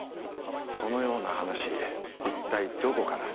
そのような話一体どこから？